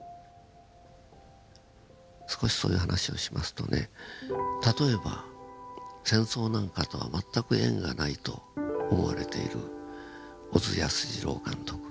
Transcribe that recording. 少しそういう話をしますとね例えば戦争なんかとは全く縁がないと思われている小津安二郎監督。